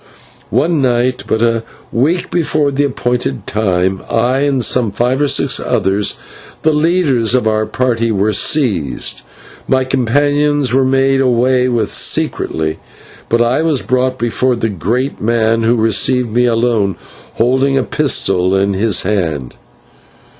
One night, but a week before the appointed time, I and some five or six others, the leaders of our party, were seized. My companions were made away with secretly, but I was brought before the great man, who received me alone, holding a pistol in his hand.